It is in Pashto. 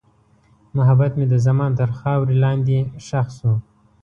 محبت مې د زمان تر خاورې لاندې ښخ شو.